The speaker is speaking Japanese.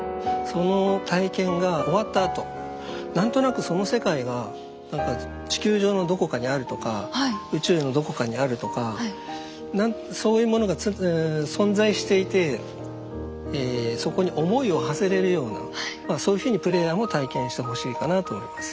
その体験が終わったあと何となくその世界が何か地球上のどこかにあるとか宇宙のどこかにあるとかそういうものが存在していてそこに思いをはせれるようなそういうふうにプレイヤーも体験してほしいかなと思います。